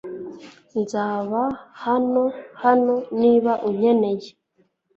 Nzaba hano hano niba unkeneye .